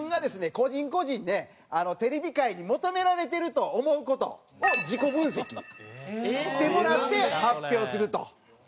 個人個人でテレビ界に求められてると思う事を自己分析してもらって発表するという事ですね。